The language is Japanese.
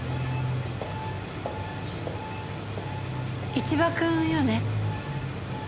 一場君よね？